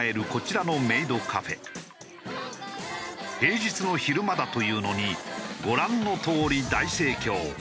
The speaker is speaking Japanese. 平日の昼間だというのにご覧のとおり大盛況。